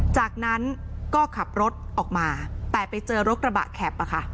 จากนั้นก็ขับรถออกมาแต่ไปเจอรถกระบะแข็บ